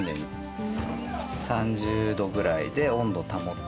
３０℃ぐらいで温度保って２日間。